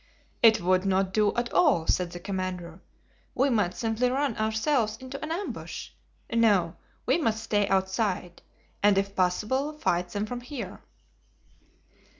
"It would not do at all," said the commander. "We might simply run ourselves into an ambush. No; we must stay outside, and if possible fight them from here."